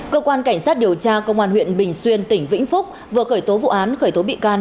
cơ quan cảnh sát điều tra công an huyện bình xuyên tỉnh vĩnh phúc vừa khởi tố vụ án khởi tố bị can